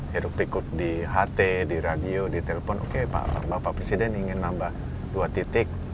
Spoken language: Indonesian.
hirup pikuk di ht di radio di telepon oke bapak presiden ingin nambah dua titik